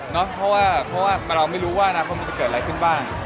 เนอะเพราะว่ามันเราไม่รู้ว่านะพร้อมมันจะเกิดอะไรขึ้นบ้าง